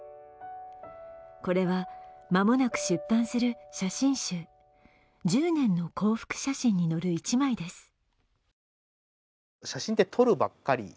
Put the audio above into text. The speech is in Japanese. これはまもなく出版する写真集「１０年の幸福写真」に載る一枚です。